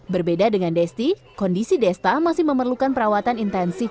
berbeda dengan desti kondisi desta masih memerlukan perawatan intensif